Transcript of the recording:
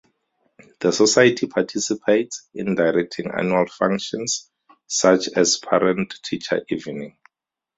The Society participates in directing annual functions such as "Parent-Teacher Evening".